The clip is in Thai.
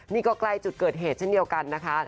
นี่ก็ใกล้จุดเกิดเหตุเช่นเดียวกันนะคะ